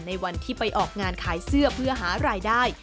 ในวันที่ไปออกงานขายเสื้อเพื่อหารายได้